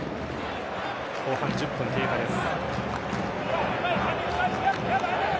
後半１０分経過です。